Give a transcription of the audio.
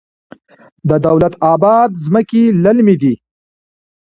د دولت اباد ځمکې للمي دي